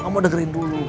kamu dengerin dulu